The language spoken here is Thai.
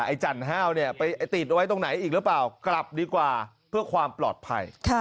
ไอ้จันทร์ฮ่าวติดไว้ตรงไหนอีกหรือเปล่ากลับดีกว่าเพื่อความปลอดภัย